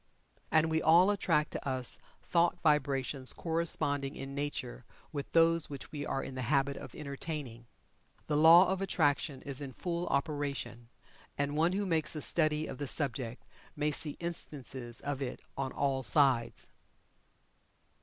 And we all attract to us thought vibrations corresponding in nature with those which we are in the habit of entertaining. The Law of Attraction is in full operation, and one who makes a study of the subject may see instances of it on all sides.